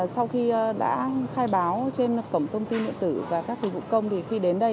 sau khi đã khai báo trên cổng thông tin nguyện tử và các dịch vụ công thì khi đến đây